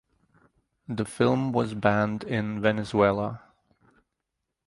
The film was banned in Venezuela.